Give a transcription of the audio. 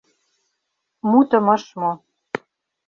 Мутым ыш му.